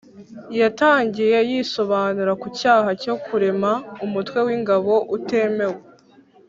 Yatangiye yisobanura ku cyaha cyo ‘kurema umutwe w’ingabo utemewe